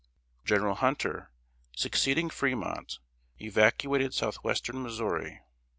General Hunter, succeeding Fremont, evacuated southwestern Missouri.